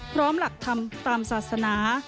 พร้อมหลักธรรมตามศาสนา